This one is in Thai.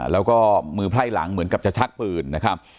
แล้วก็มือไพร่หลังเหมือนกับจะชักปืนนะครับ